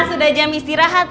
nah sudah jam istirahat